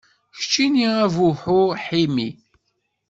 Keččini a Buḥu Ḥimi.